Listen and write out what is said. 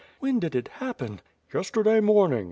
"When did it happen?" 'TTesterday morning.